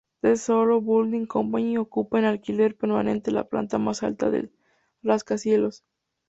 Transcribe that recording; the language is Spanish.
The Solow Building Company ocupa en alquiler permanente la planta más alta del rascacielos.